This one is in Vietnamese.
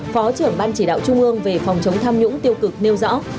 phó trưởng ban chỉ đạo trung ương về phòng chống tham nhũng tiêu cực nêu rõ